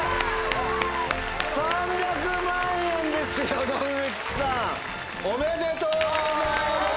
３００万円ですよ野口さん！おめでとうございます。